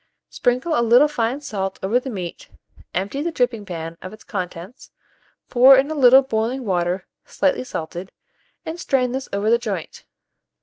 Sprinkle a little fine salt over the meat, empty the dripping pan of its contents, pour in a little boiling water slightly salted, and strain this over the joint.